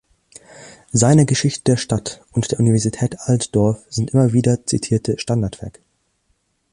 Seine Geschichte der Stadt und der Universität Altdorf sind immer wieder zitierte Standardwerke.